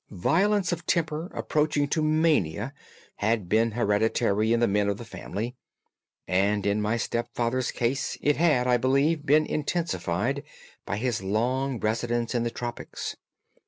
Violence of temper approaching to mania has been hereditary in the men of the family, and in my stepfather's case it had, I believe, been intensified by his long residence in the tropics.